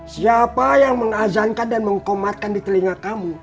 siapa yang mengazankan dan mengkomatkan di telinga kamu